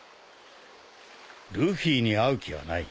ルフィに会う気はない。